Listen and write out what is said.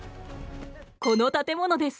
この建物です。